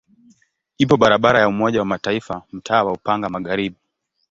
Ipo barabara ya Umoja wa Mataifa mtaa wa Upanga Magharibi.